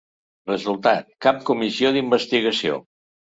Resultat: cap comissió d’investigació.